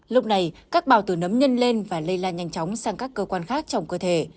lúc này các bào từ nấm nhân lên và lây lan nhanh chóng sang các cơ quan khác trong cơ thể